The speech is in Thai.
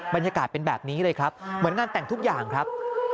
บรรยากาศเป็นแบบนี้เลยครับเหมือนงานแต่งทุกอย่างครับ